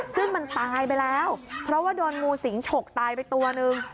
ซึ่งมันตายไปแล้วเพราะว่าโดนงูสิงฉกตายไปตัวนึง